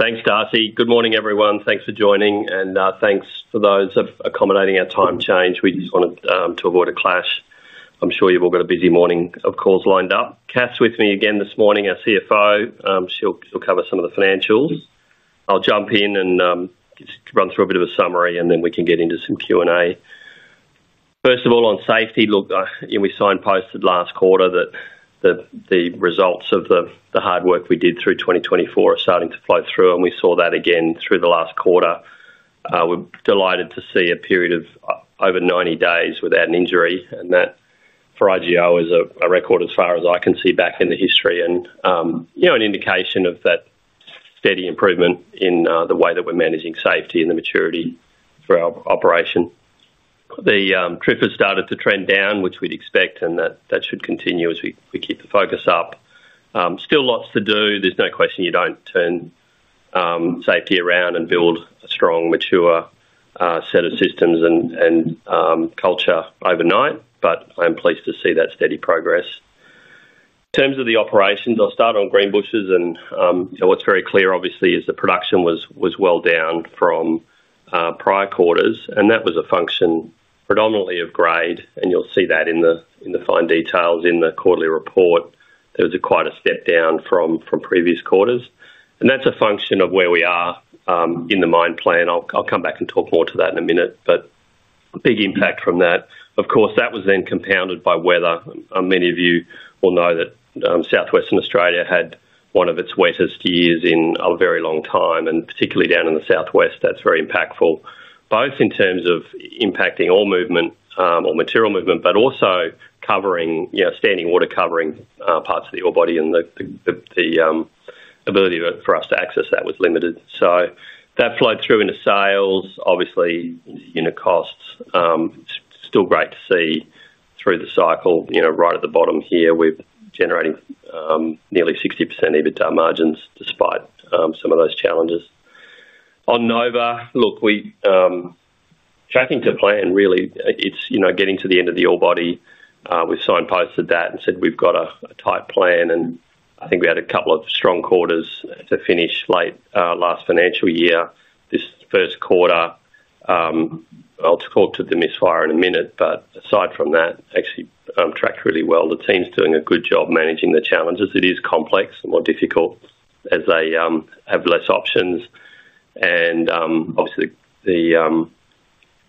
Thanks, Darcy. Good morning, everyone. Thanks for joining, and thanks for those accommodating our time change. We just wanted to avoid a clash. I'm sure you've all got a busy morning, of course, lined up. Kat's with me again this morning, our CFO. She'll cover some of the financials. I'll jump in and just run through a bit of a summary, and then we can get into some Q&A. First of all, on safety, we signposted last quarter that the results of the hard work we did through 2024 are starting to flow through, and we saw that again through the last quarter. We're delighted to see a period of over 90 days without an injury, and that for IGO is a record, as far as I can see, back in the history and an indication of that steady improvement in the way that we're managing safety and the maturity for our operation. The TRIF has started to trend down, which we'd expect, and that should continue as we keep the focus up. Still lots to do. There's no question you don't turn safety around and build a strong, mature set of systems and culture overnight, but I'm pleased to see that steady progress. In terms of the operations, I'll start on Greenbushes, and what's very clear, obviously, is the production was well down from prior quarters, and that was a function predominantly of grade, and you'll see that in the fine details in the quarterly report. There was quite a step down from previous quarters, and that's a function of where we are in the mine plan. I'll come back and talk more to that in a minute, but a big impact from that. Of course, that was then compounded by weather. Many of you will know that Southwestern Australia had one of its wettest years in a very long time, and particularly down in the Southwest, that's very impactful, both in terms of impacting ore movement or material movement, but also standing water covering parts of the ore body, and the ability for us to access that was limited. That flowed through into sales, obviously, unit costs. It's still great to see through the cycle, right at the bottom here, we're generating nearly 60% EBITDA margins despite some of those challenges. On Nova, we're tracking to plan, really. It's getting to the end of the ore body. We've signposted that and said we've got a tight plan, and I think we had a couple of strong quarters to finish late last financial year. This first quarter, I'll talk to the misfire in a minute, but aside from that, actually tracked really well. The team's doing a good job managing the challenges. It is complex and more difficult as they have less options, and obviously, the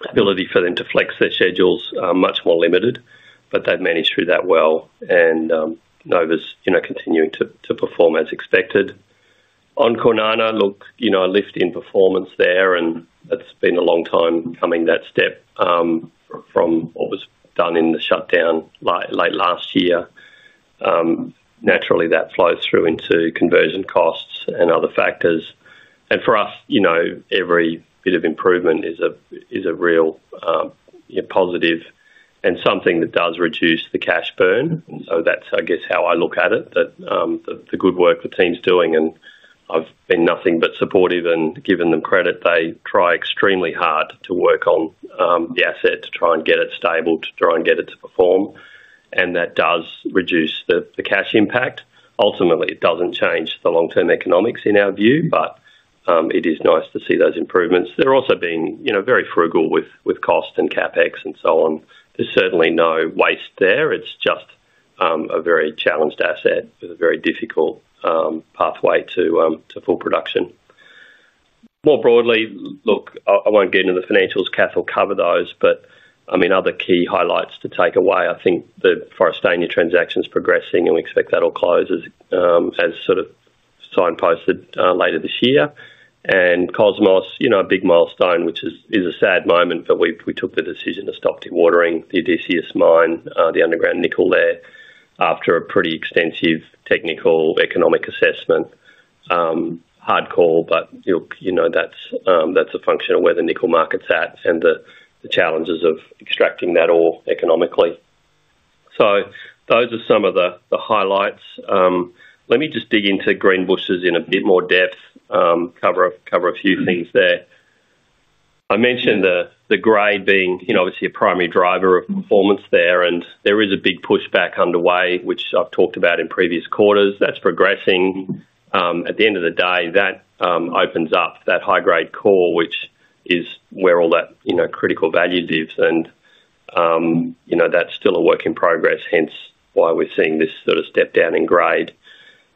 ability for them to flex their schedules is much more limited, but they've managed through that well, and Nova is continuing to perform as expected. On Kwinana, look, you know, a lift in performance there, and that's been a long time coming, that step from what was done in the shutdown late last year. Naturally, that flows through into conversion costs and other factors, and for us, you know, every bit of improvement is a real positive and something that does reduce the cash burn. That's, I guess, how I look at it, that the good work the team's doing, and I've been nothing but supportive and given them credit. They try extremely hard to work on the asset, to try and get it stable, to try and get it to perform, and that does reduce the cash impact. Ultimately, it doesn't change the long-term economics in our view, but it is nice to see those improvements. They're also being, you know, very frugal with cost and CapEx and so on. There's certainly no waste there. It's just a very challenged asset with a very difficult pathway to full production. More broadly, look, I won't get into the financials. Kat will cover those, but I mean, other key highlights to take away, I think the Forrestania transaction's progressing, and we expect that will close as sort of signposted later this year. And Cosmos, you know, a big milestone, which is a sad moment, but we took the decision to stop dewatering the Decius mine, the underground nickel there, after a pretty extensive technical economic assessment. Hardcore, but you know, that's a function of where the nickel market's at and the challenges of extracting that ore economically. Those are some of the highlights. Let me just dig into Greenbushes in a bit more depth, cover a few things there. I mentioned the grade being, you know, obviously a primary driver of performance there, and there is a big pushback underway, which I've talked about in previous quarters. That's progressing. At the end of the day, that opens up that high-grade core, which is where all that, you know, critical value lives, and you know, that's still a work in progress, hence why we're seeing this sort of step down in grade.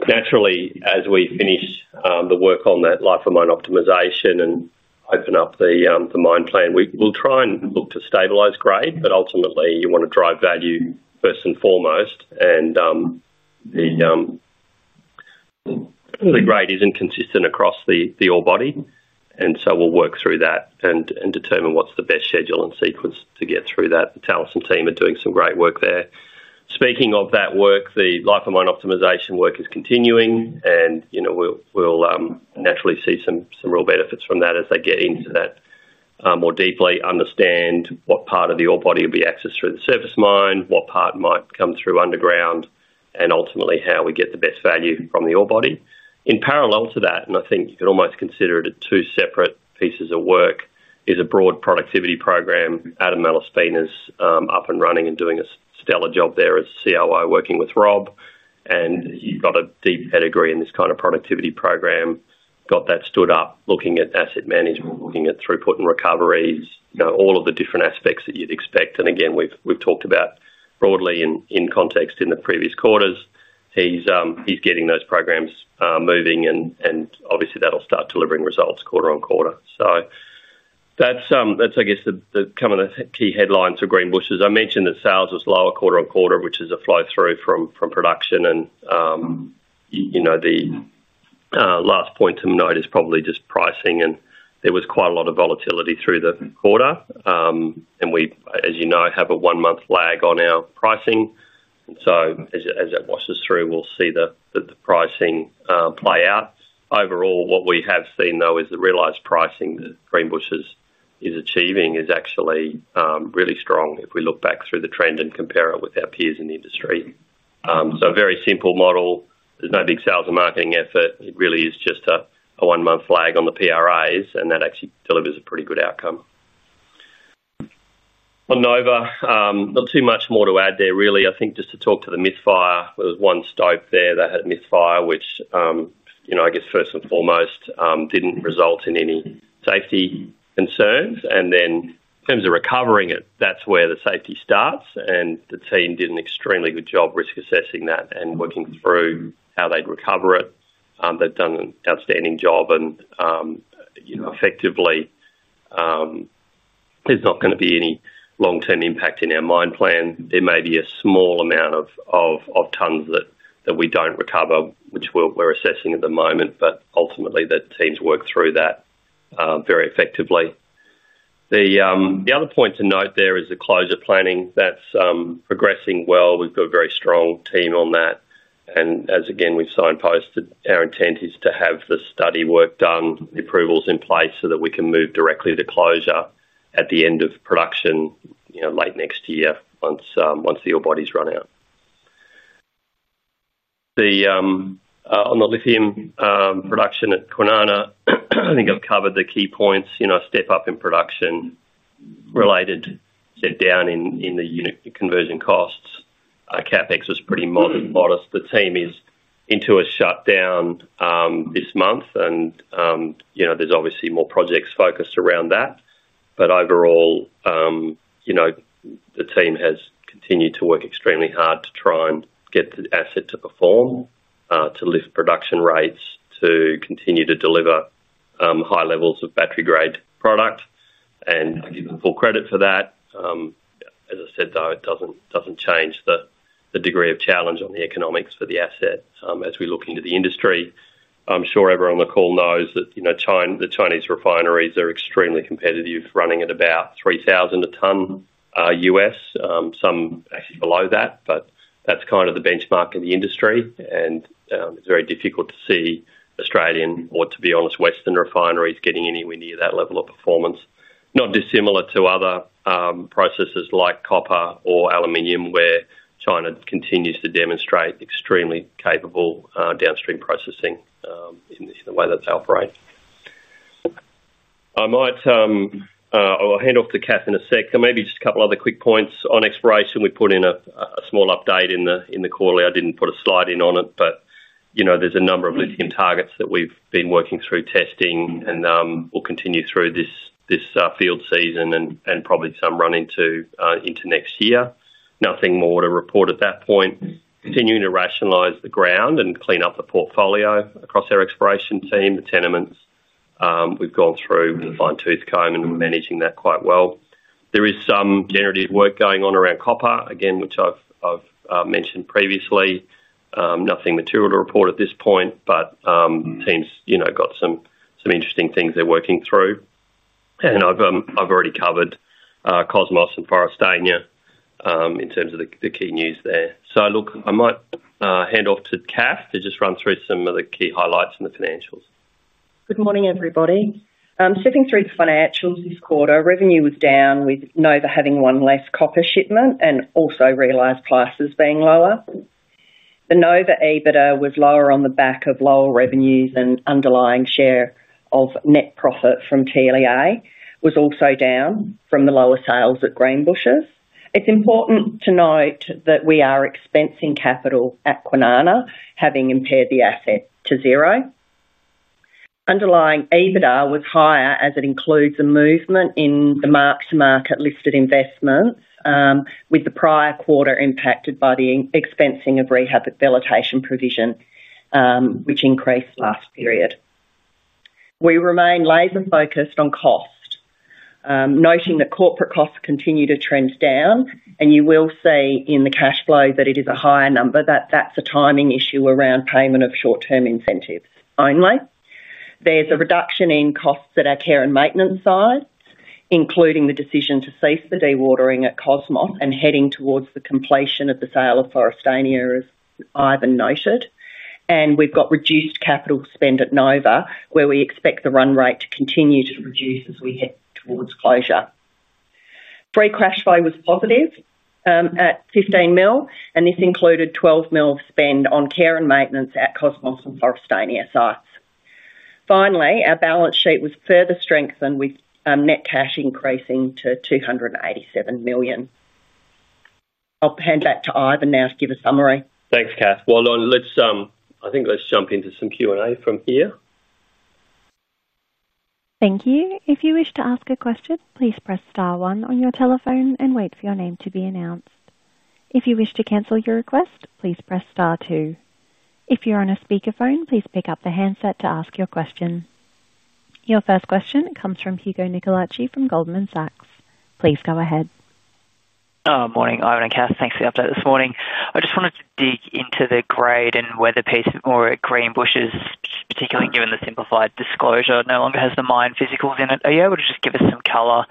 Naturally, as we finish the work on that life of mine optimization and open up the mine plan, we'll try and look to stabilize grade, but ultimately, you want to drive value first and foremost, and the grade isn't consistent across the ore body, and we'll work through that and determine what's the best schedule and sequence to get through that. The Talison team are doing some great work there. Speaking of that work, the life of mine optimization work is continuing, and we'll naturally see some real benefits from that as they get into that more deeply, understand what part of the ore body will be accessed through the surface mine, what part might come through underground, and ultimately, how we get the best value from the ore body. In parallel to that, and I think you could almost consider it two separate pieces of work, is a broad productivity program. Adam Mallerspiener's up and running and doing a stellar job there as COO, working with Rob, and you've got a deep pedigree in this kind of productivity program. Got that stood up, looking at asset management, looking at throughput and recoveries, all of the different aspects that you'd expect. We've talked about broadly in context in the previous quarters, he's getting those programs moving, and obviously, that'll start delivering results quarter on quarter. That's, I guess, the key headlines for Greenbushes. I mentioned that sales was lower quarter on quarter, which is a flow-through from production, and the last point to note is probably just pricing, and there was quite a lot of volatility through the quarter, and we, as you know, have a one-month lag on our pricing. As that washes through, we'll see the pricing play out. Overall, what we have seen, though, is the realized pricing that Greenbushes is achieving is actually really strong if we look back through the trend and compare it with our peers in the industry. A very simple model. There's no big sales or marketing effort. It really is just a one-month lag on the PRAs, and that actually delivers a pretty good outcome. On Nova, not too much more to add there, really. I think just to talk to the misfire, there was one stope there that had a misfire, which, first and foremost, didn't result in any safety concerns. In terms of recovering it, that's where the safety starts, and the team did an extremely good job risk assessing that and working through how they'd recover it. They've done an outstanding job, and, you know, effectively, there's not going to be any long-term impact in our mine plan. There may be a small amount of tons that we don't recover, which we're assessing at the moment, but ultimately, the team's worked through that very effectively. The other point to note there is the closure planning. That's progressing well. We've got a very strong team on that, and as again, we've signposted, our intent is to have the study work done, the approvals in place so that we can move directly to closure at the end of production, late next year once the ore bodies run out. On the lithium production at Kwinana, I think I've covered the key points. A step up in production related, set down in the unit conversion costs. CapEx was pretty modest. The team is into a shutdown this month, and there's obviously more projects focused around that. Overall, the team has continued to work extremely hard to try and get the asset to perform, to lift production rates, to continue to deliver high levels of battery-grade product, and I give them full credit for that. As I said, though, it doesn't change the degree of challenge on the economics for the asset as we look into the industry. I'm sure everyone on the call knows that the Chinese refineries are extremely competitive, running at about $3,000 a ton, US, some actually below that, but that's kind of the benchmark in the industry. It's very difficult to see Australian or, to be honest, Western refineries getting anywhere near that level of performance, not dissimilar to other processes like copper or aluminum, where China continues to demonstrate extremely capable downstream processing in the way that they operate. I might hand off to Kath in a sec, and maybe just a couple of other quick points. On exploration, we put in a small update in the quarterly. I didn't put a slide in on it, but there's a number of lithium targets that we've been working through testing, and we'll continue through this field season and probably some run into next year. Nothing more to report at that point. Continuing to rationalize the ground and clean up the portfolio across our exploration team, the tenements. We've gone through with a fine-tooth comb, and we're managing that quite well. There is some generative work going on around copper, which I've mentioned previously. Nothing material to report at this point, but the team's got some interesting things they're working through. I've already covered Cosmos and Forrestania in terms of the key news there. I might hand off to Kat to just run through some of the key highlights in the financials. Good morning, everybody. Sifting through the financials this quarter, revenue was down with Nova having one less copper shipment and also realized prices being lower. The Nova EBITDA was lower on the back of lower revenues, and underlying share of net profit from TLEA was also down from the lower sales at Greenbushes. It's important to note that we are expensing capital at Kwinana, having impaired the asset to zero. Underlying EBITDA was higher as it includes a movement in the mark-to-market listed investments, with the prior quarter impacted by the expensing of rehabilitation provision, which increased last period. We remain laser-focused on cost, noting that corporate costs continue to trend down, and you will see in the cash flow that it is a higher number. That's a timing issue around payment of short-term incentives only. There's a reduction in costs at our care and maintenance side, including the decision to cease the dewatering at Cosmos and heading towards the completion of the sale of Forrestania, as Ivan noted. We've got reduced capital spend at Nova, where we expect the run rate to continue to reduce as we head towards closure. Free cash flow was positive at $15 million, and this included $12 million of spend on care and maintenance at Cosmos and Forrestania sites. Finally, our balance sheet was further strengthened with net cash increasing to $287 million. I'll hand back to Ivan now to give a summary. Thanks, Kath. Well done. I think let's jump into some Q&A from here. Thank you. If you wish to ask a question, please press *1 on your telephone and wait for your name to be announced. If you wish to cancel your request, please press *2. If you're on a speakerphone, please pick up the handset to ask your question. Your first question comes from Hugo Nicolaci from Goldman Sachs. Please go ahead. Morning, Ivan and Kat. Thanks for the update this morning. I just wanted to dig into the grade and weather piece more at Greenbushes, particularly given the simplified disclosure. It no longer has the mine physicals in it. Are you able to just give us some color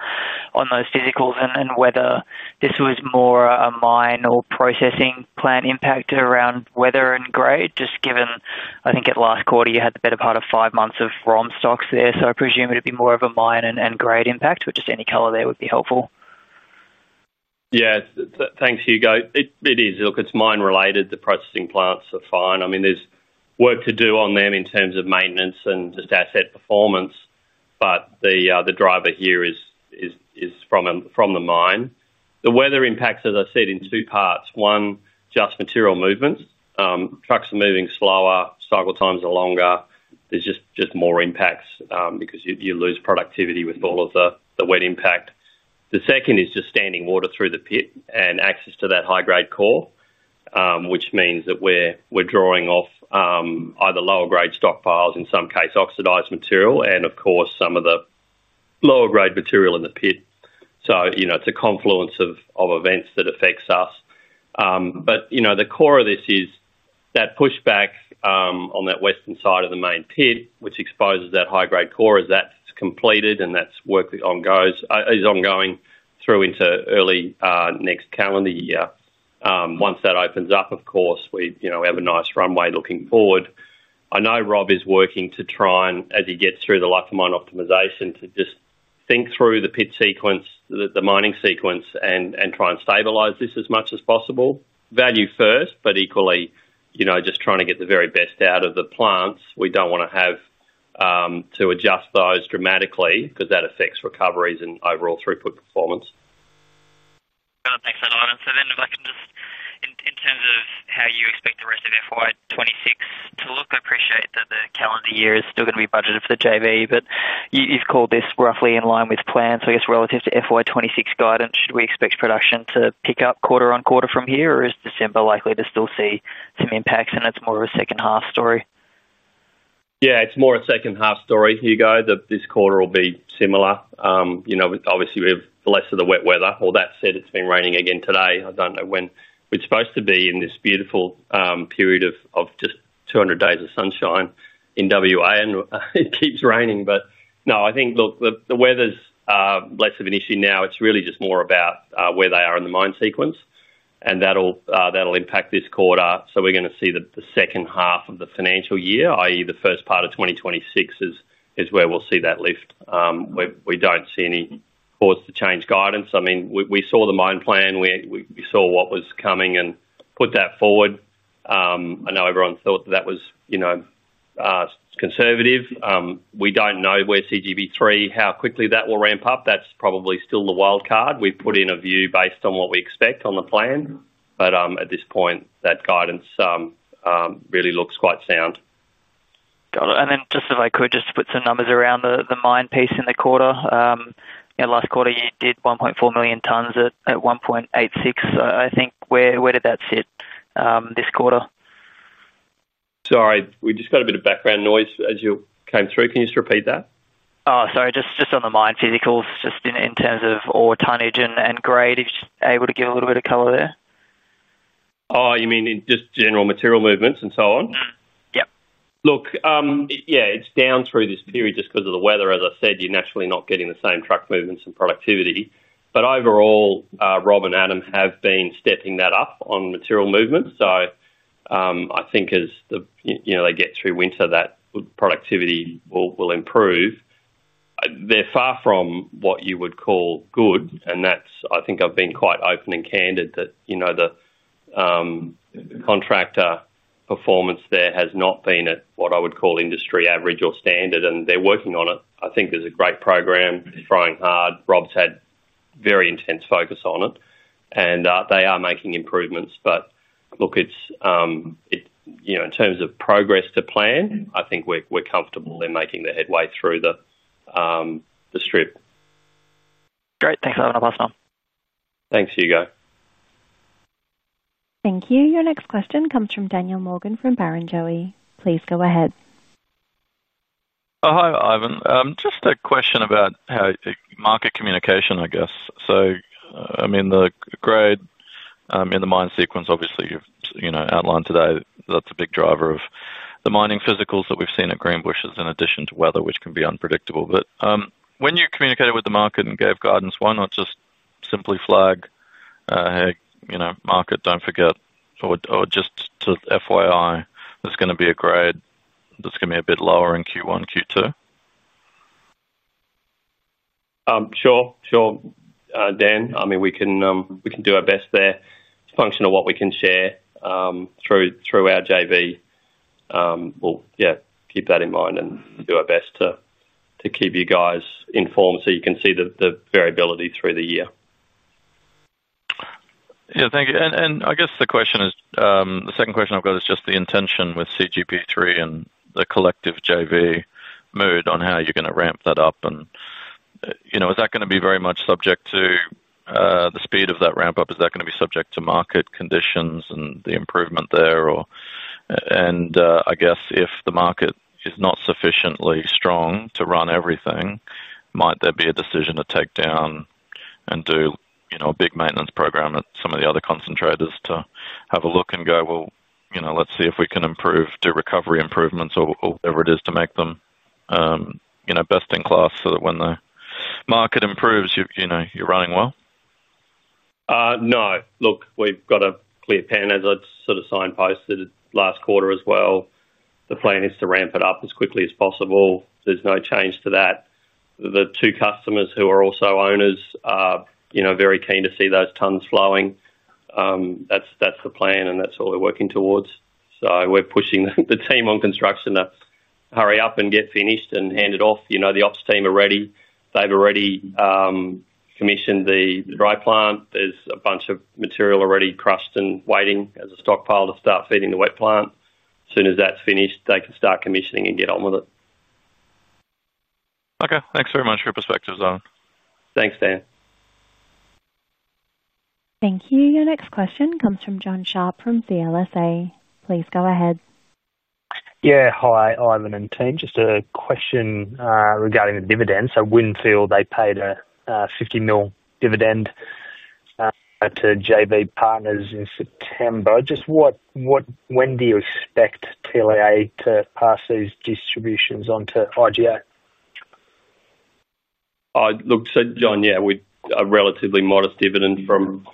on those physicals and whether this was more a mine or processing plant impact around weather and grade, just given, I think at last quarter you had the better part of five months of ROM stocks there. I presume it'd be more of a mine and grade impact, but just any color there would be helpful. Yeah. Thanks, Hugo. It is. Look, it's mine-related. The processing plants are fine. I mean, there's work to do on them in terms of maintenance and just asset performance, but the driver here is from the mine. The weather impacts, as I said, in two parts. One, just material movements. Trucks are moving slower, cycle times are longer. There's just more impacts because you lose productivity with all of the wet impact. The second is just standing water through the pit and access to that high-grade core, which means that we're drawing off either lower-grade stockpiles, in some case oxidized material, and of course, some of the lower-grade material in the pit. It's a confluence of events that affects us. The core of this is that pushback on that western side of the main pit, which exposes that high-grade core. That's completed, and that's work that is ongoing through into early next calendar year. Once that opens up, of course, we have a nice runway looking forward. I know Rob is working to try and, as he gets through the lifeline optimization, to just think through the pit sequence, the mining sequence, and try and stabilize this as much as possible. Value first, but equally, just trying to get the very best out of the plants. We don't want to have to adjust those dramatically because that affects recoveries and overall throughput performance. Thanks, Ivan. If I can just, in terms of how you expect the rest of FY2026 to look, I appreciate that the calendar year is still going to be budgeted for the joint venture, but you've called this roughly in line with plan. I guess relative to FY2026 guidance, should we expect production to pick up quarter on quarter from here, or is December likely to still see some impacts, and it's more of a second-half story? Yeah, it's more a second-half story, Hugo. This quarter will be similar. Obviously, we have less of the wet weather. All that said, it's been raining again today. I don't know when we're supposed to be in this beautiful period of just 200 days of sunshine in WA, and it keeps raining. No, I think, look, the weather's less of an issue now. It's really just more about where they are in the mine sequence, and that'll impact this quarter. We're going to see the second half of the financial year, i.e., the first part of 2026, is where we'll see that lift. We don't see any cause to change guidance. We saw the mine plan. We saw what was coming and put that forward. I know everyone thought that that was, you know, conservative. We don't know where CGB3, how quickly that will ramp up. That's probably still the wild card. We've put in a view based on what we expect on the plan, but at this point, that guidance really looks quite sound. Got it. If I could just put some numbers around the mine piece in the quarter, last quarter you did 1.4 million tons at 1.86. I think where did that sit this quarter? Sorry, we just got a bit of background noise as you came through. Can you repeat that? Sorry, just on the mine physicals, just in terms of ore tonnage and grade, if you're just able to give a little bit of color there. Oh, you mean just general material movements and so on? Yep. Look, yeah, it's down through this period just because of the weather. As I said, you're naturally not getting the same truck movements and productivity, but overall, Rob and Adam have been stepping that up on material movements. I think as they get through winter, that productivity will improve. They're far from what you would call good, and I think I've been quite open and candid that the contractor performance there has not been at what I would call industry average or standard, and they're working on it. I think there's a great program, throwing hard. Rob's had very intense focus on it, and they are making improvements. In terms of progress to plan, I think we're comfortable in making the headway through the strip. Great. Thanks, Ivan. I'll pass it on. Thanks, Hugo. Thank you. Your next question comes from Daniel Morgan from Barrenjoey. Please go ahead. Hi, Ivan. Just a question about how market communication, I guess. I mean, the grade in the mine sequence, obviously, you've outlined today. That's a big driver of the mining physicals that we've seen at Greenbushes in addition to weather, which can be unpredictable. When you communicated with the market and gave guidance, why not just simply flag, you know, market, don't forget, or just to FYI, there's going to be a grade that's going to be a bit lower in Q1, Q2? Sure, Dan. I mean, we can do our best there. It's functional what we can share through our joint venture. We'll keep that in mind and do our best to keep you guys informed so you can see the variability through the year. Thank you. I guess the question is, the second question I've got is just the intention with CGB3 and the collective joint venture mood on how you're going to ramp that up. Is that going to be very much subject to the speed of that ramp-up? Is that going to be subject to market conditions and the improvement there? I guess if the market is not sufficiently strong to run everything, might there be a decision to take down and do a big maintenance program at some of the other concentrators to have a look and go, well, let's see if we can improve, do recovery improvements or whatever it is to make them best in class so that when the market improves, you're running well? No. Look, we've got a clear plan, as I sort of signposted last quarter as well. The plan is to ramp it up as quickly as possible. There's no change to that. The two customers who are also owners are, you know, very keen to see those tons flowing. That's the plan, and that's what we're working towards. We're pushing the team on construction to hurry up and get finished and hand it off. The ops team are ready. They've already commissioned the dry plant. There's a bunch of material already crushed and waiting as a stockpile to start feeding the wet plant. As soon as that's finished, they can start commissioning and get on with it. Okay, thanks very much for your perspectives, Ivan. Thanks, Dan. Thank you. Your next question comes from Jonathon Sharp from CLSA. Please go ahead. Yeah. Hi, Ivan and team. Just a question regarding the dividends. I know they paid a $50 million dividend to JV Partners in September. Just when do you expect TLEA to pass these distributions on to IGO? Look, John, we're a relatively modest dividend from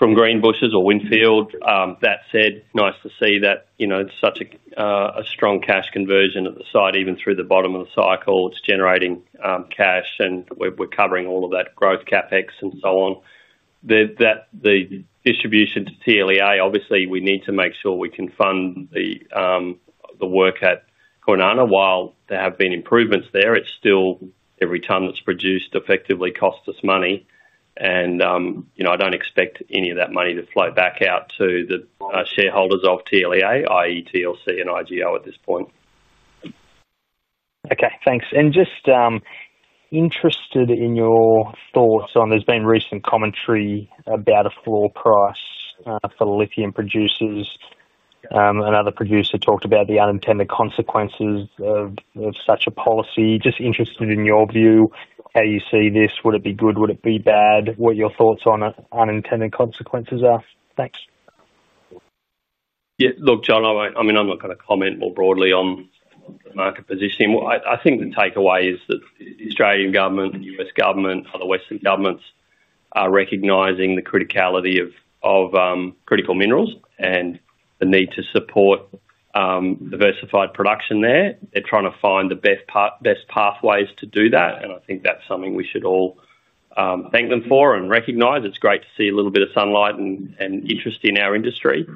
Greenbushes or Windfield. That said, nice to see that it's such a strong cash conversion at the site, even through the bottom of the cycle. It's generating cash, and we're covering all of that growth, CapEx, and so on. The distribution to TLEA, obviously, we need to make sure we can fund the work at Kwinana. While there have been improvements there, it's still every ton that's produced effectively costs us money. I don't expect any of that money to flow back out to the shareholders of TLEA, i.e., TLC and IGO at this point. Thanks. Just interested in your thoughts on there's been recent commentary about a floor price for lithium producers. Another producer talked about the unintended consequences of such a policy. Just interested in your view, how you see this. Would it be good? Would it be bad? What your thoughts on unintended consequences are. Thanks. Yeah. Look, John, I'm not going to comment more broadly on the market positioning. I think the takeaway is that the Australian government, the U.S. government, and other Western governments are recognizing the criticality of critical minerals and the need to support diversified production there. They're trying to find the best pathways to do that, and I think that's something we should all thank them for and recognize. It's great to see a little bit of sunlight and interest in our industry.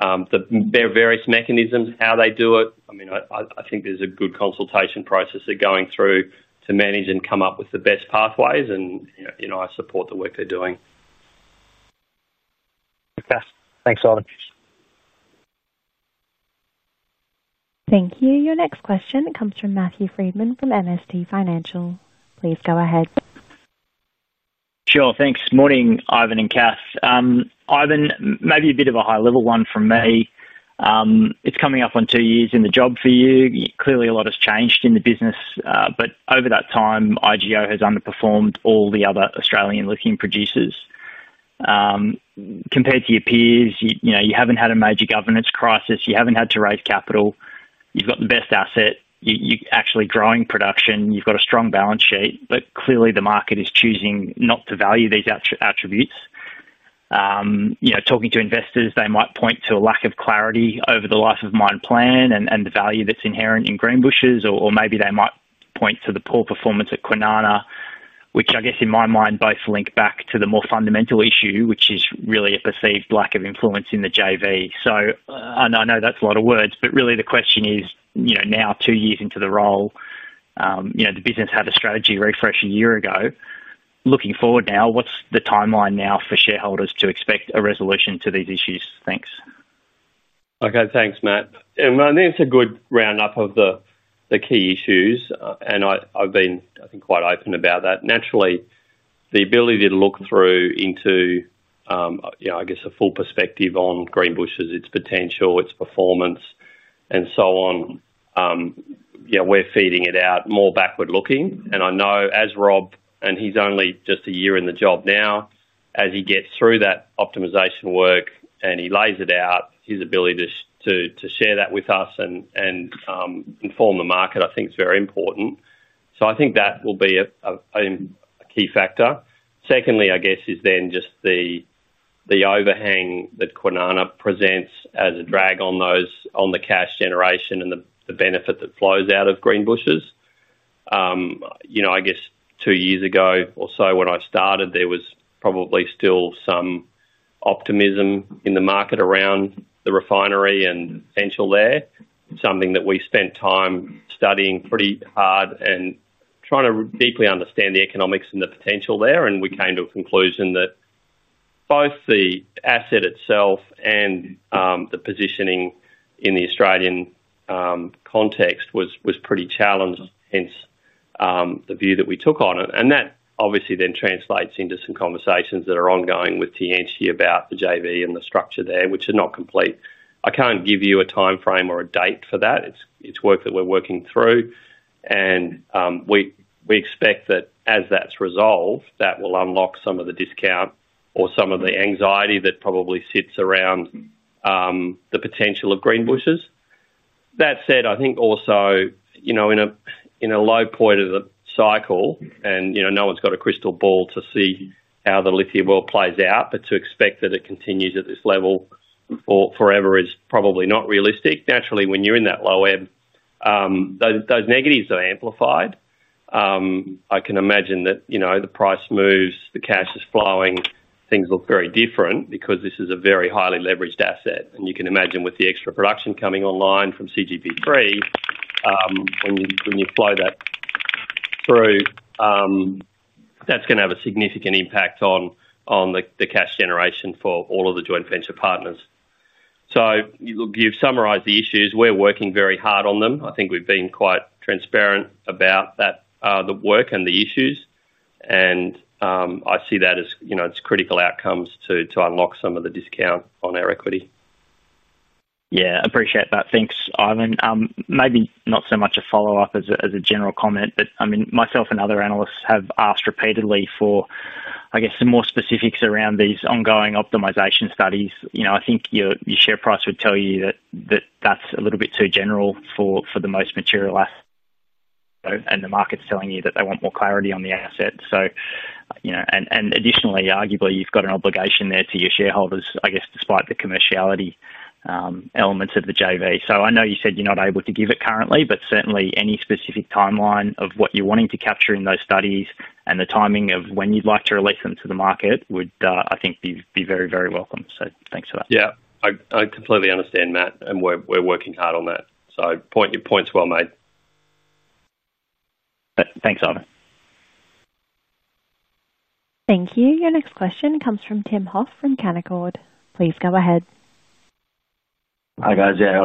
The various mechanisms, how they do it, I think there's a good consultation process they're going through to manage and come up with the best pathways, and you know I support the work they're doing. Okay. Thanks, Ivan. Thank you. Your next question comes from Matthew Frydman from MST Financial. Please go ahead. Sure. Thanks. Morning, Ivan and Kat. Ivan, maybe a bit of a high-level one from me. It's coming up on two years in the job for you. Clearly, a lot has changed in the business, but over that time, IGO has underperformed all the other Australian lithium producers. Compared to your peers, you haven't had a major governance crisis. You haven't had to raise capital. You've got the best asset. You're actually growing production. You've got a strong balance sheet, but clearly, the market is choosing not to value these attributes. Talking to investors, they might point to a lack of clarity over the life of mine plan and the value that's inherent in Greenbushes, or maybe they might point to the poor performance at Kwinana, which I guess in my mind both link back to the more fundamental issue, which is really a perceived lack of influence in the joint venture. I know that's a lot of words, but really, the question is, now two years into the role, the business had a strategy refresh a year ago. Looking forward now, what's the timeline now for shareholders to expect a resolution to these issues? Thanks. Okay. Thanks, Matt. I think it's a good roundup of the key issues, and I've been, I think, quite open about that. Naturally, the ability to look through into, you know, I guess a full perspective on Greenbushes, its potential, its performance, and so on. We're feeding it out more backward looking. I know as Rob, and he's only just a year in the job now, as he gets through that optimization work and he lays it out, his ability to share that with us and inform the market, I think, is very important. I think that will be a key factor. Secondly, I guess, is then just the overhang that Kwinana presents as a drag on those on the cash generation and the benefit that flows out of Greenbushes. Two years ago or so when I started, there was probably still some optimism in the market around the refinery and the potential there, something that we spent time studying pretty hard and trying to deeply understand the economics and the potential there. We came to a conclusion that both the asset itself and the positioning in the Australian context was pretty challenged, hence the view that we took on it. That obviously then translates into some conversations that are ongoing with TNT about the joint venture and the structure there, which are not complete. I can't give you a timeframe or a date for that. It's work that we're working through, and we expect that as that's resolved, that will unlock some of the discount or some of the anxiety that probably sits around the potential of Greenbushes. That said, I think also, in a low point of the cycle, and no one's got a crystal ball to see how the lithium will play out, but to expect that it continues at this level forever is probably not realistic. Naturally, when you're in that low ebb, those negatives are amplified. I can imagine that, you know, the price moves, the cash is flowing, things look very different because this is a very highly leveraged asset. You can imagine with the extra production coming online from CGB3, when you flow that through, that's going to have a significant impact on the cash generation for all of the joint venture partners. You've summarized the issues. We're working very hard on them. I think we've been quite transparent about the work and the issues, and I see that as, you know, it's critical outcomes to unlock some of the discount on our equity. Yeah, I appreciate that. Thanks, Ivan. Maybe not so much a follow-up as a general comment, but I mean, myself and other analysts have asked repeatedly for, I guess, some more specifics around these ongoing optimization studies. I think your share price would tell you that that's a little bit too general for the most material asset, and the market's telling you that they want more clarity on the asset. Additionally, arguably, you've got an obligation there to your shareholders, I guess, despite the commerciality elements of the joint venture. I know you said you're not able to give it currently, but certainly, any specific timeline of what you're wanting to capture in those studies and the timing of when you'd like to release them to the market would, I think, be very, very welcome. Thanks for that. Yeah, I completely understand, Matt, and we're working hard on that. Your point's well made. Thanks, Ivan. Thank you. Your next question comes from Tim Hoff from Canaccord. Please go ahead. Hi, guys. I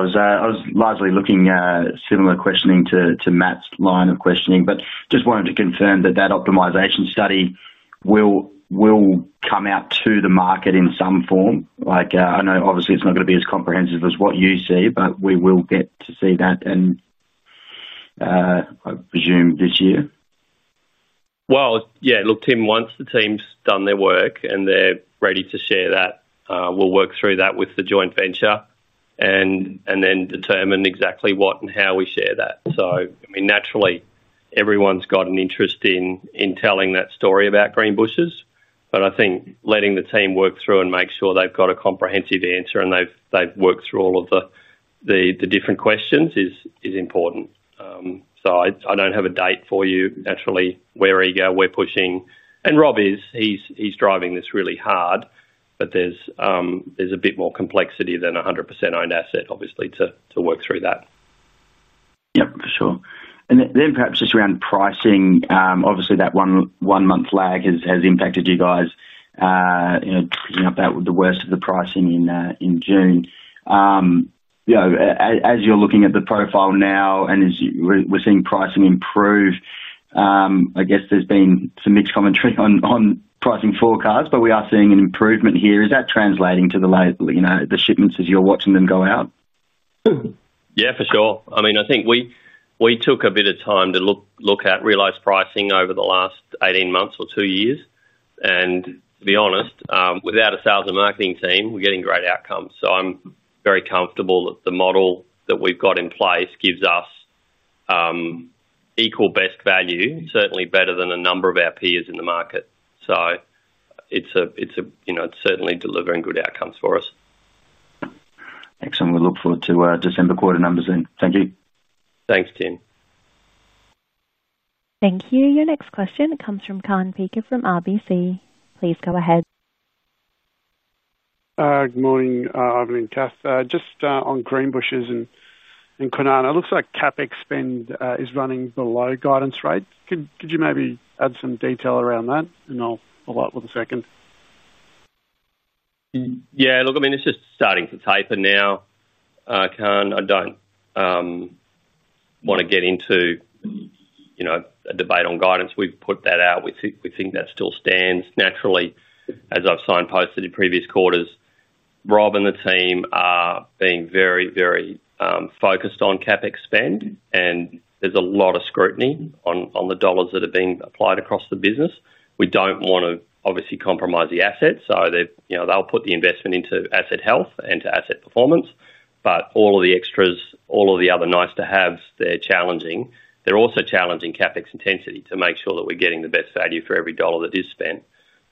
was largely looking at similar questioning to Matt's line of questioning, but just wanted to confirm that that optimization study will come out to the market in some form. I know, obviously, it's not going to be as comprehensive as what you see, but we will get to see that, I presume, this year. Tim, once the team's done their work and they're ready to share that, we'll work through that with the joint venture and then determine exactly what and how we share that. Naturally, everyone's got an interest in telling that story about Greenbushes, but I think letting the team work through and make sure they've got a comprehensive answer and they've worked through all of the different questions is important. I don't have a date for you. Naturally, we're eager, we're pushing, and Rob is driving this really hard, but there's a bit more complexity than a 100% owned asset, obviously, to work through that. For sure. Perhaps just around pricing, obviously, that one-month lag has impacted you guys, picking up that with the worst of the pricing in June. As you're looking at the profile now and as we're seeing pricing improve, I guess there's been some mixed commentary on pricing forecasts, but we are seeing an improvement here. Is that translating to the shipments as you're watching them go out? Yeah, for sure. I mean, I think we took a bit of time to look at realized pricing over the last 18 months or two years, and to be honest, without a sales and marketing team, we're getting great outcomes. I'm very comfortable that the model that we've got in place gives us equal best value, certainly better than a number of our peers in the market. It's certainly delivering good outcomes for us. Excellent. We look forward to December quarter numbers then. Thank you. Thanks, Tim. Thank you. Your next question comes from Colin Peaker from RBC. Please go ahead. Good morning, Ivan and Kat. Just on Greenbushes and Kwinana, it looks like CapEx spend is running below guidance rates. Could you maybe add some detail around that? I'll follow up with a second. Yeah, look, I mean, it's just starting to taper now. Kat, I don't want to get into, you know, a debate on guidance. We've put that out. We think that still stands. Naturally, as I've signposted in previous quarters, Rob and the team are being very, very focused on CapEx spend, and there's a lot of scrutiny on the dollars that are being applied across the business. We don't want to obviously compromise the assets. They've put the investment into asset health, into asset performance, but all of the extras, all of the other nice-to-haves, they're challenging. They're also challenging CapEx intensity to make sure that we're getting the best value for every dollar that is spent.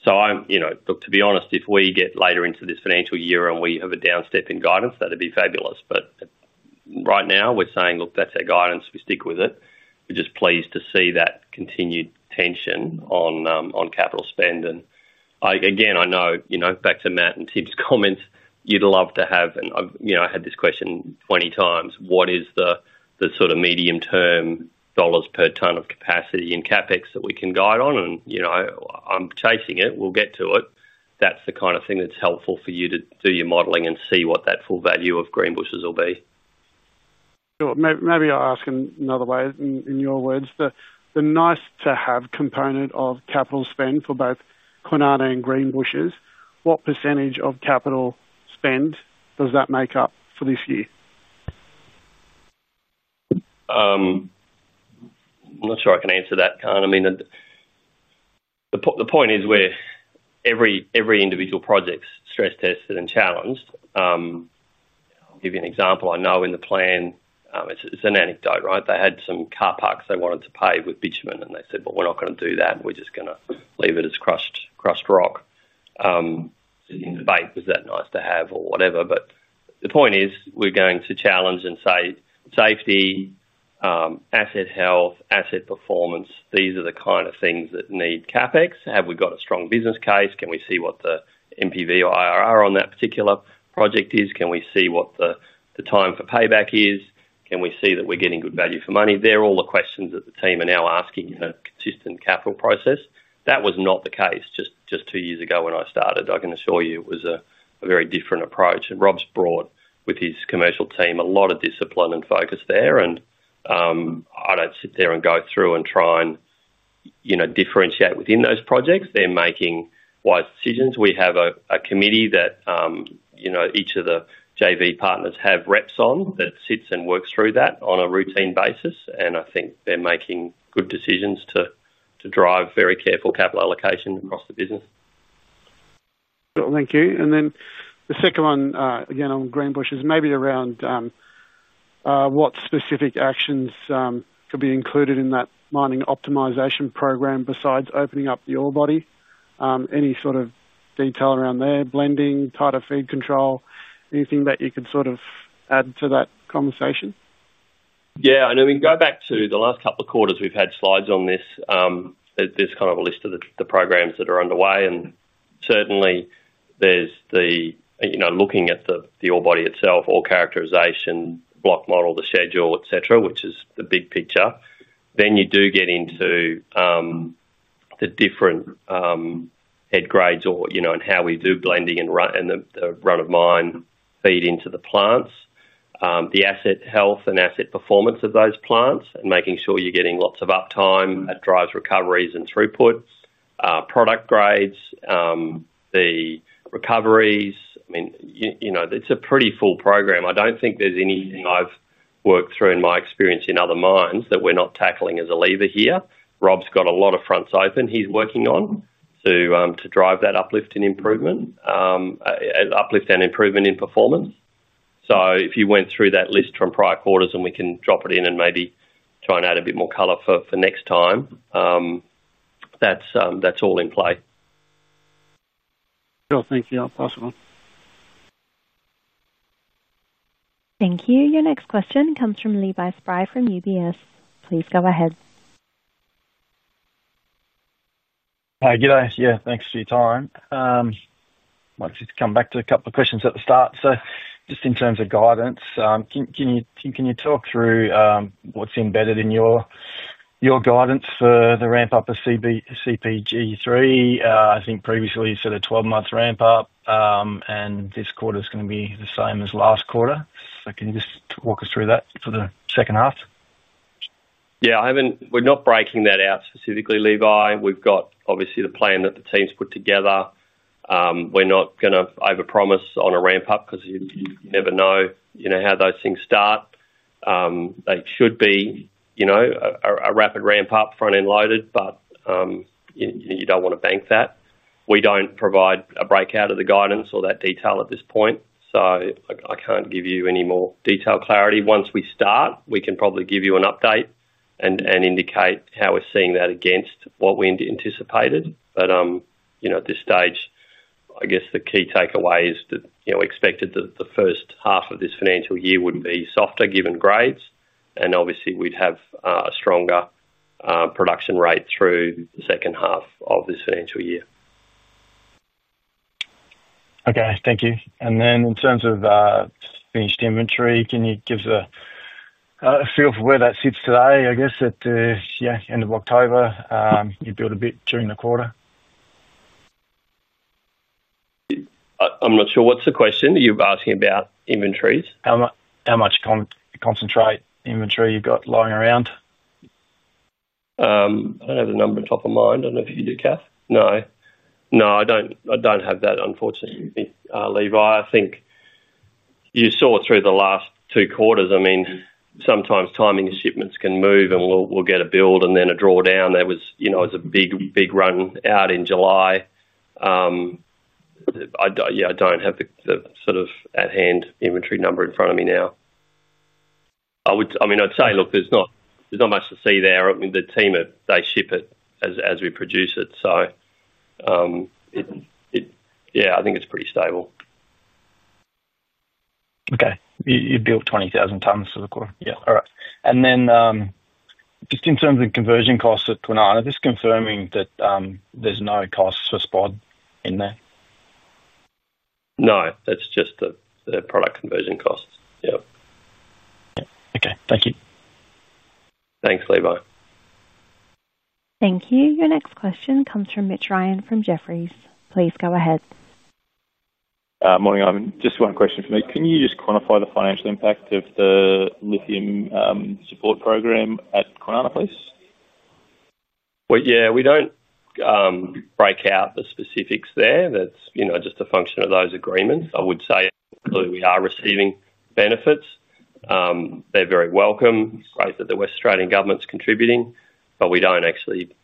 To be honest, if we get later into this financial year and we have a down step in guidance, that'd be fabulous. Right now, we're saying, look, that's our guidance. We stick with it. We're just pleased to see that continued tension on capital spend. Again, I know, you know, back to Matt and Tim's comments, you'd love to have, and I've had this question 20 times. What is the sort of medium-term dollars per ton of capacity in CapEx that we can guide on? I'm chasing it. We'll get to it. That's the kind of thing that's helpful for you to do your modeling and see what that full value of Greenbushes will be. Sure. Maybe I'll ask in another way. In your words, the nice-to-have component of capital spend for both Kwinana and Greenbushes, what percentage of capital spend does that make up for this year? I'm not sure I can answer that, Kat. The point is where every individual project's stress tested and challenged. I'll give you an example. I know in the plan, it's an anecdote, right? They had some car parks they wanted to pave with bitumen, and they said, we're not going to do that. We're just going to leave it as crushed rock. Sitting in debate was that nice to have or whatever, but the point is we're going to challenge and say safety, asset health, asset performance, these are the kind of things that need CapEx. Have we got a strong business case? Can we see what the NPV or IRR on that particular project is? Can we see what the time for payback is? Can we see that we're getting good value for money? They're all the questions that the team are now asking in a consistent capital process. That was not the case just two years ago when I started. I can assure you it was a very different approach. Rob's brought with his commercial team a lot of discipline and focus there. I don't sit there and go through and try to differentiate within those projects. They're making wise decisions. We have a committee that each of the JV partners have reps on that sits and works through that on a routine basis. I think they're making good decisions to drive very careful capital allocation across the business. Thank you. The second one, again, on Greenbushes, maybe around what specific actions could be included in that mining optimization program besides opening up the ore body. Any sort of detail around their blending, tighter feed control, anything that you could sort of add to that conversation? Yeah. Go back to the last couple of quarters, we've had slides on this. There's kind of a list of the programs that are underway. Certainly, there's the, you know, looking at the ore body itself, ore characterization, the block model, the schedule, etc., which is the big picture. You do get into the different head grades or, you know, and how we do blending and the run of mine feed into the plants, the asset health and asset performance of those plants, and making sure you're getting lots of uptime that drives recoveries and throughput, product grades, the recoveries. It's a pretty full program. I don't think there's anything I've worked through in my experience in other mines that we're not tackling as a lever here. Rob's got a lot of fronts open he's working on to drive that uplift and improvement, uplift and improvement in performance. If you went through that list from prior quarters, and we can drop it in and maybe try and add a bit more color for next time, that's all in play. Sure, thank you. I'll pass it on. Thank you. Your next question comes from Levi Spry from UBS. Please go ahead. Hi, good. Yeah, thanks for your time. I wanted to come back to a couple of questions at the start. Just in terms of guidance, can you talk through what's embedded in your guidance for the ramp-up of CGB3? I think previously you said a 12-month ramp-up, and this quarter is going to be the same as last quarter. Can you just walk us through that for the second half? Yeah, I haven't. We're not breaking that out specifically, Levi. We've got obviously the plan that the team's put together. We're not going to overpromise on a ramp-up because you never know how those things start. They should be a rapid ramp-up, front-end loaded, but you don't want to bank that. We don't provide a breakout of the guidance or that detail at this point. I can't give you any more detailed clarity. Once we start, we can probably give you an update and indicate how we're seeing that against what we anticipated. At this stage, I guess the key takeaway is that we expected that the first half of this financial year would be softer given grades, and obviously, we'd have a stronger production rate through the second half of this financial year. Thank you. In terms of finished inventory, can you give us a feel for where that sits today? I guess at the end of October, you build a bit during the quarter. I'm not sure. What's the question you're asking about inventories? How much concentrate inventory have you got lying around? I don't have the number top of mind. I don't know if you do, Kat. No, I don't have that, unfortunately, Levi. I think you saw it through the last two quarters. Sometimes timing shipments can move, and we'll get a build and then a drawdown. There was a big run out in July. I don't have the sort of at-hand inventory number in front of me now. I'd say there's not much to see there. The team, they ship it as we produce it. I think it's pretty stable. Okay, you built 20,000 tons for the quarter? Yeah. All right. Just in terms of conversion costs at Kwinana, just confirming that there's no costs for spod in there. No. That's just the product conversion costs, yeah. Okay, thank you. Thanks, Levi. Thank you. Your next question comes from Mitch Ryan from Jefferies. Please go ahead. Morning, Ivan. Just one question for me. Can you just quantify the financial impact of the lithium support program at Kwinana, please? We don't break out the specifics there. That's, you know, just a function of those agreements. I would say we are receiving benefits. They're very welcome. It's great that the West Australian government's contributing, but we don't actually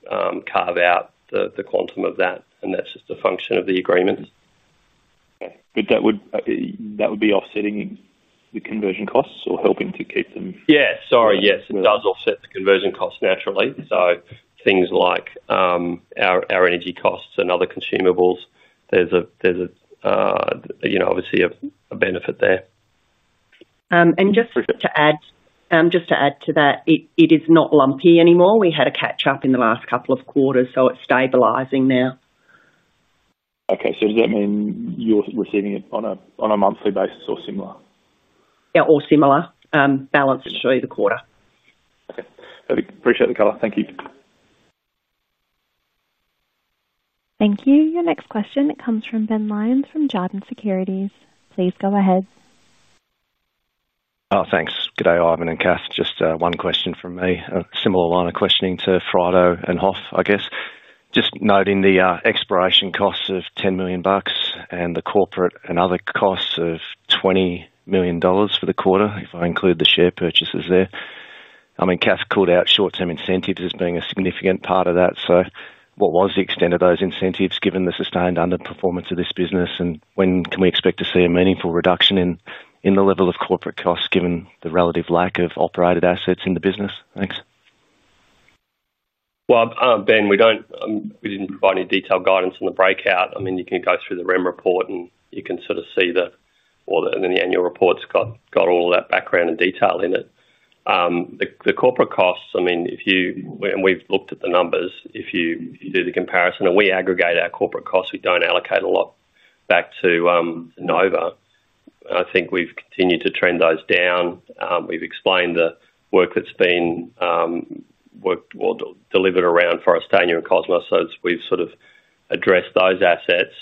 carve out the quantum of that, and that's just a function of the agreements. Okay. That would be offsetting the conversion costs or helping to keep them? Yes, it does offset the conversion costs naturally. Things like our energy costs and other consumables, there's obviously a benefit there. To add to that, it is not lumpy anymore. We had a catch-up in the last couple of quarters, so it's stabilizing now. Okay. Does that mean you're receiving it on a monthly basis or similar? Yeah, or similar, balance it through the quarter. Okay. Perfect. Appreciate the color. Thank you. Thank you. Your next question comes from Ben Lyons from Jarden Securities. Please go ahead. Oh, thanks. Good day, Ivan and Kat. Just one question from me. A similar line of questioning to Frido and Hoff, I guess. Just noting the exploration costs of $10 million and the corporate and other costs of $20 million for the quarter, if I include the share purchases there. Kat called out short-term incentives as being a significant part of that. What was the extent of those incentives given the sustained underperformance of this business? When can we expect to see a meaningful reduction in the level of corporate costs given the relative lack of operated assets in the business? Thanks. Ben, we didn't provide any detailed guidance on the breakout. You can go through the REM report, and you can sort of see that, then the annual report's got all of that background and detail in it. The corporate costs, if you, and we've looked at the numbers, if you do the comparison and we aggregate our corporate costs. We don't allocate a lot back to Nova. I think we've continued to trend those down. We've explained the work that's been worked or delivered around Forrestania and Cosmos, so we've sort of addressed those assets.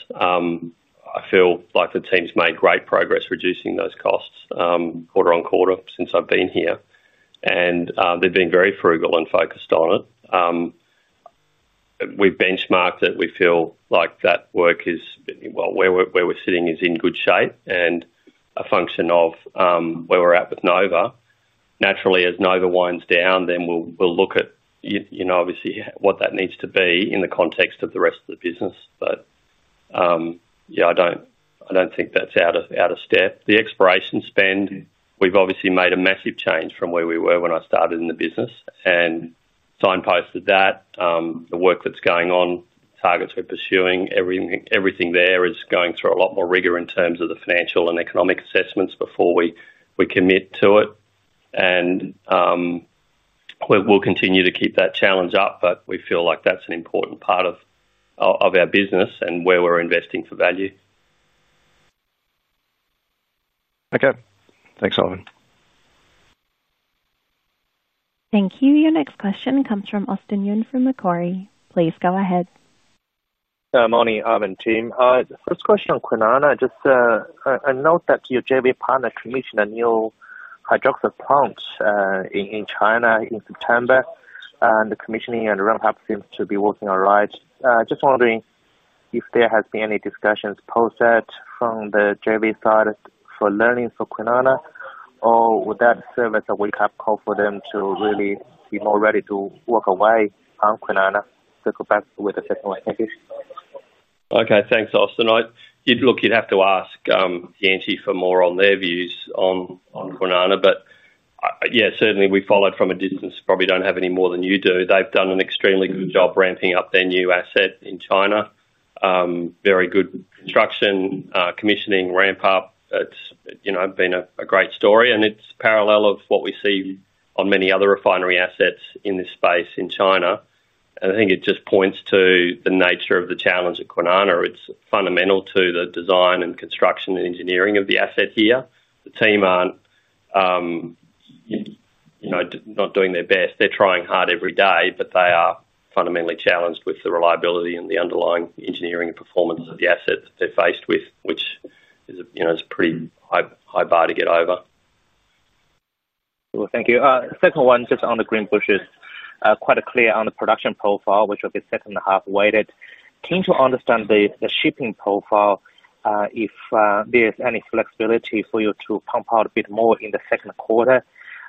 I feel like the team's made great progress reducing those costs quarter on quarter since I've been here, and they've been very frugal and focused on it. We've benchmarked it. We feel like that work is, where we're sitting is in good shape, and a function of where we're at with Nova. Naturally, as Nova winds down, we'll look at, you know, obviously what that needs to be in the context of the rest of the business. I don't think that's out of step. The exploration spend, we've obviously made a massive change from where we were when I started in the business and signposted that. The work that's going on, the targets we're pursuing, everything there is going through a lot more rigor in terms of the financial and economic assessments before we commit to it. We'll continue to keep that challenge up, but we feel like that's an important part of our business and where we're investing for value. Okay. Thanks, Ivan. Thank you. Your next question comes from Austin Yun from Macquarie. Please go ahead. Morning, Ivan, team. First question on Kwinana. Just a note that your JV partner commissioned a new hydroxide plant in China in September, and the commissioning and the ramp-up seems to be working all right. Just wondering if there has been any discussions posted from the JV side for learnings for Kwinana, or would that serve as a wake-up call for them to really be more ready to walk away on Kwinana? Circle back with a second one, thank you. Okay. Thanks, Austin. You'd have to ask TNT for more on their views on Kwinana. Certainly, we followed from a distance. Probably don't have any more than you do. They've done an extremely good job ramping up their new asset in China. Very good construction, commissioning, ramp-up. It's been a great story, and it's parallel to what we see on many other refinery assets in this space in China. I think it just points to the nature of the challenge at Kwinana. It's fundamental to the design, construction, and engineering of the asset here. The team aren't not doing their best. They're trying hard every day, but they are fundamentally challenged with the reliability and the underlying engineering and performance of the asset that they're faced with, which is a pretty high bar to get over. Thank you. Second one, just on the Greenbushes, quite clear on the production profile, which will be second and a half weighted. Tend to understand the shipping profile. If there's any flexibility for you to pump out a bit more in the second quarter,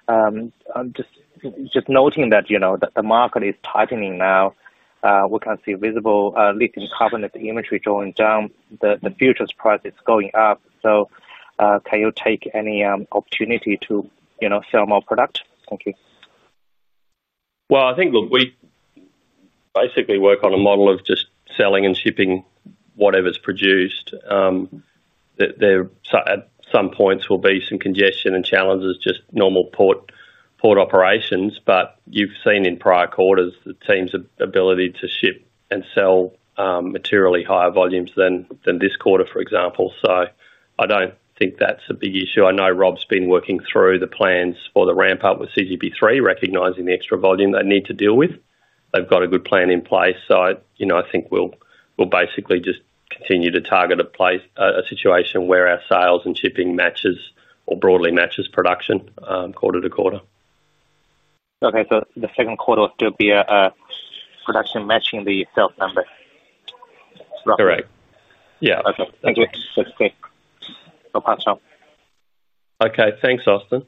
I'm just noting that, you know, the market is tightening now. We can see visible lithium carbonate inventory drawing down. The futures price is going up. Can you take any opportunity to, you know, sell more product? Thank you. I think, look, we basically work on a model of just selling and shipping whatever's produced. There at some points will be some congestion and challenges, just normal port operations. You've seen in prior quarters the team's ability to ship and sell materially higher volumes than this quarter, for example. I don't think that's a big issue. I know Rob's been working through the plans for the ramp-up with CGB3, recognizing the extra volume they need to deal with. They've got a good plan in place. I think we'll basically just continue to target a situation where our sales and shipping matches or broadly matches production quarter to quarter. Okay. The second quarter will be a production matching the sales number. Correct. Yeah. Okay. Thanks, Ivan. Okay. Thanks, Austin.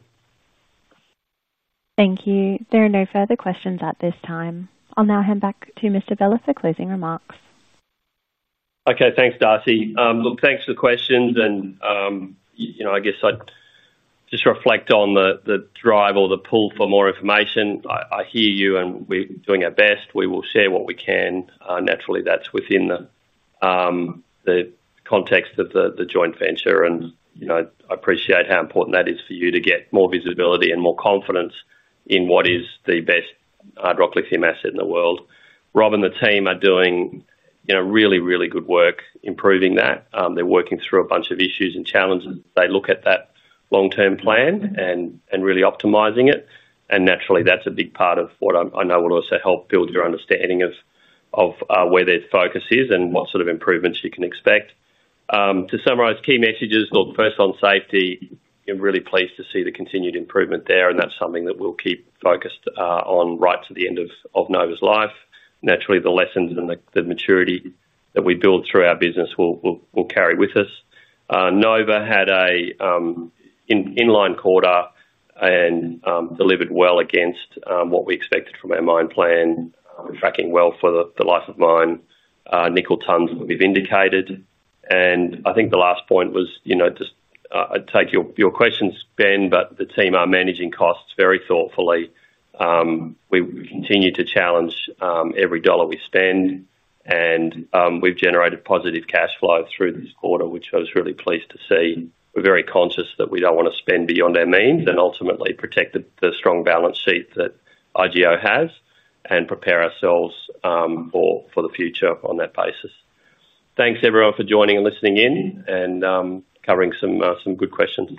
Thank you. There are no further questions at this time. I'll now hand back to Mr. Vella for closing remarks. Okay. Thanks, Darcy. Thanks for the questions. I guess I'd just reflect on the drive or the pull for more information. I hear you, and we're doing our best. We will share what we can. Naturally, that's within the context of the joint venture. I appreciate how important that is for you to get more visibility and more confidence in what is the best hydroxyllithium asset in the world. Rob and the team are doing really, really good work improving that. They're working through a bunch of issues and challenges. They look at that long-term plan and really optimizing it. Naturally, that's a big part of what I know will also help build your understanding of where their focus is and what sort of improvements you can expect. To summarize, key messages: first, on safety, I'm really pleased to see the continued improvement there, and that's something that we'll keep focused on right to the end of Nova's life. The lessons and the maturity that we build through our business will carry with us. Nova had an inline quarter and delivered well against what we expected from our mine plan, tracking well for the life of mine. Nickel tons would be vindicated. I think the last point was, I take your questions, Ben, but the team are managing costs very thoughtfully. We continue to challenge every dollar we spend, and we've generated positive cash flow through this quarter, which I was really pleased to see. We're very conscious that we don't want to spend beyond our means and ultimately protect the strong balance sheet that IGO has and prepare ourselves for the future on that basis. Thanks, everyone, for joining and listening in and covering some good questions.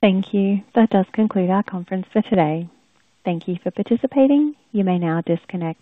Thank you. That does conclude our conference for today. Thank you for participating. You may now disconnect.